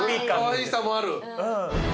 かわいさもある？